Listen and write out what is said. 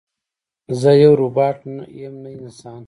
زه یو روباټ یم نه انسان